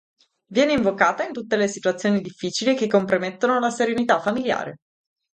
Viene invocata in tutte le situazioni difficili che compromettono la serenità familiare.